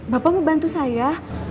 bapak mau bantu saya